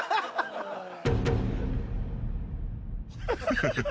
ハハハハ。